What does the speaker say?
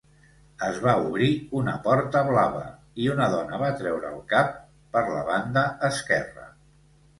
Es va obrir una porta blava i una dona va treure el cap per la banda esquerra.